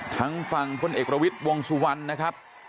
ทางฝั่งพลเอกประวิทย์วงสุวรรณนะครับ